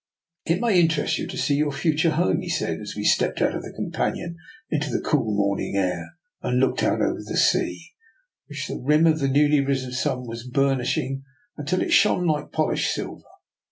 " It may interest you to see your future home," he said, as we stepped out of the com panion into the cool morning air, and looked out over the sea, which the rim of the newly risen sun was burnishing until it shone like polished silver.